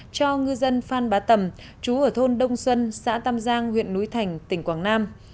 cho ngư dân phan bá tầm chú ở thôn đông xuân xã tam giang huyện núi thành tỉnh quảng nam